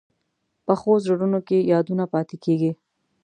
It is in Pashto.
پخو زړونو کې یادونه پاتې کېږي